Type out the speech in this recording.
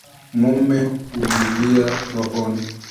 Mume hulilia rohoni